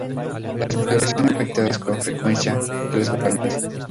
Las mujeres son afectadas con más frecuencia que los varones.